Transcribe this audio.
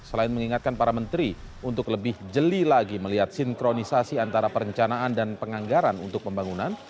selain mengingatkan para menteri untuk lebih jeli lagi melihat sinkronisasi antara perencanaan dan penganggaran untuk pembangunan